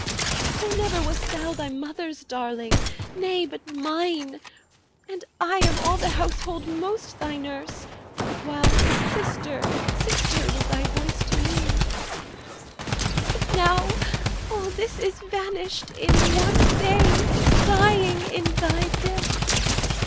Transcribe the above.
For never Wast thou thy mother's darling, nay, but mine, And I of all the household most thy nurse, While 'sister, sister,' was thy voice to me But now all this is vanished in one day, Dying in thy death.